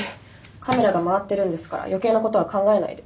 カメラが回ってるんですから余計なことは考えないで。